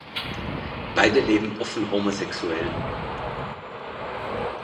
Beide leben offen homosexuell.